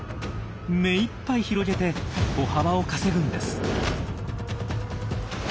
目いっぱい広げて歩幅を稼ぐんです。